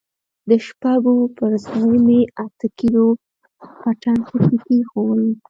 د شپږو پر ځاى مې اته کيلو پټن پکښې کښېښوول.